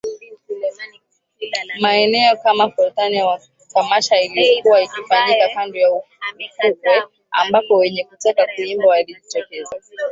Maeneo kama Forodhani matamasha yaliyokuwa yakifanyika kando ya ufukwe ambako wenye kutaka kuimba walijitokeza